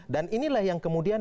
dan inilah yang kemudian